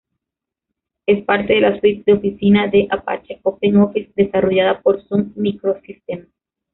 Es parte de la suite de oficina de Apache OpenOffice desarrollada por Sun Microsystems.